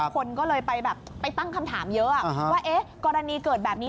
คนก็เลยไปแบบไปตั้งคำถามเยอะว่ากรณีเกิดแบบนี้